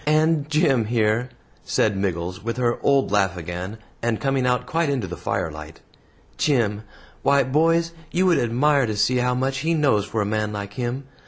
And Jim here," said Miggles, with her old laugh again, and coming out quite into the firelight, "Jim why, boys, you would admire to see how much he knows for a man like him.